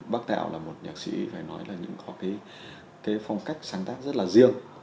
bác tạo là một nhạc sĩ phải nói là những cái phong cách sáng tác rất là riêng